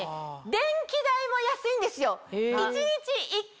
電気代も安いんですよ。